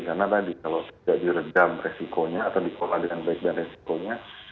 karena tadi kalau tidak direjam resikonya atau dipoladi dengan baik dan resikonya